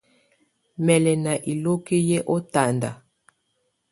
Mɛ́ lɛ́ ná iloki yɛ́ ɔtanda.